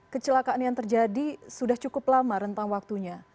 kecelakaan yang terjadi sudah cukup lama rentang waktunya